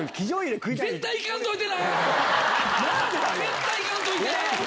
絶対行かんといて！